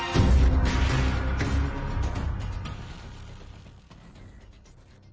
ก็ให้พ่อกัน